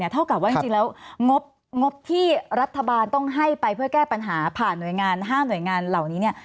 เท่ากับว่าจริงแล้วงบที่รัฐบาลต้องให้ไปเพื่อแก้ปัญหาผ่านหน่วยงาน๕หน่วยงานเหล่านี้เนี่ย